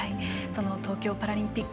東京パラリンピック